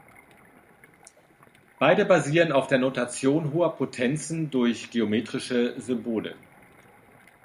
Beide basieren auf der Notation hoher Potenzen durch geometrische Symbole.